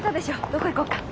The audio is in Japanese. どこ行こうか。